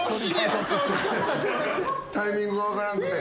タイミングが分からんくて。